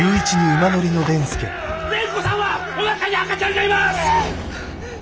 蓮子さんはおなかに赤ちゃんがいます！